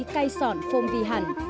cây xoạn phông vi hẳn